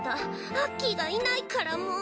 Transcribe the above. アッキーがいないからもう。